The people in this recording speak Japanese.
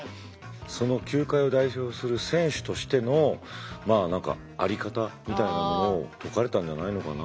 その球界を代表する選手としての在り方みたいなものを説かれたんじゃないのかな。